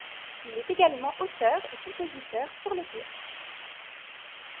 Il est également auteur et compositeur pour le théâtre.